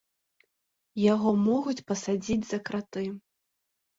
Яго могуць пасадзіць за краты.